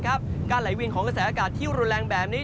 การไหลเวียนของกระแสอากาศที่รุนแรงแบบนี้